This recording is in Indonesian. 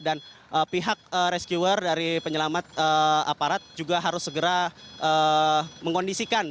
dan pihak rescuer dari penyelamat aparat juga harus segera mengkondisikan